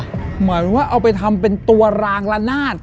เหมือนว่าเอาไปทำเป็นตัวรางละนาด